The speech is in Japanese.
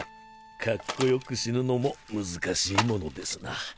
カッコ良く死ぬのも難しいものですな。